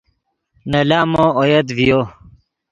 نے لامو اویت ڤیو